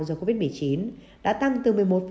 do covid một mươi chín đã tăng từ một mươi một năm